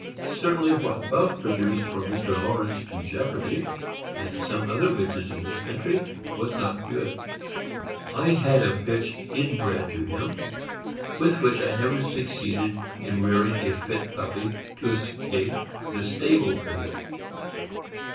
Certainly, what Buff produced for Mr. Lawrence to Jeopardy and some other bitches in this country was not good. I had a bitch inbred to him, with which I never succeeded in rear ing a fit puppy to escape the stable pail.